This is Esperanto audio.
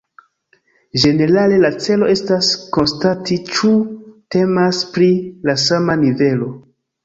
Ĝenerale la celo estas konstati ĉu temas pri la sama nivelo.